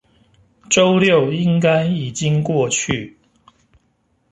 週六應該已經過去